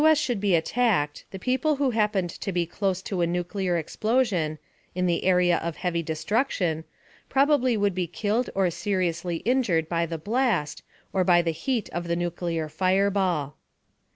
S. should be attacked, the people who happened to be close to a nuclear, explosion in the area of heavy destruction probably would be killed or seriously injured by the blast, or by the heat of the nuclear fireball.